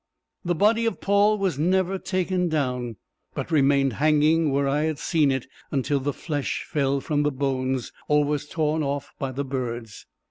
The body of Paul was never taken down, but remained hanging where I had seen it until the flesh fell from the bones, or was torn off by the birds.